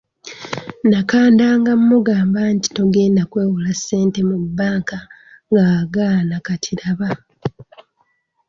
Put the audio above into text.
Nakandanga mugamba nti togenda kwewola ssente mu bbanka ng'agaana kati laba.